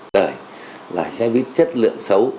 đời là xe buýt chất lượng xấu